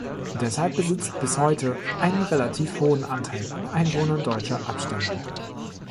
Deshalb besitzt bis heute einen relativ hohen Anteil an Einwohnern deutscher Abstammung.